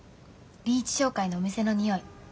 リーチ商会のお店の匂い。